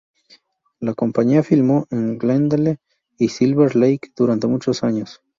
La compañía filmó en Glendale y Silver Lake durante muchos años.